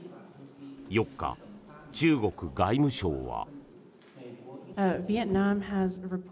４日、中国外務省は。